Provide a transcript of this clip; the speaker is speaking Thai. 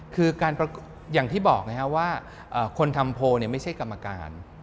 คือการอย่างที่บอกนะครับว่าคนทำโพลไม่ใช่กรรมการ